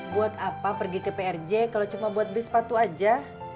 buat apa pergi ke prj kalau cuma buat beli sepatu aja